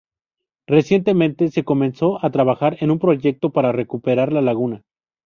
Recientemente, se comenzó a trabajar en un proyecto para recuperar la laguna.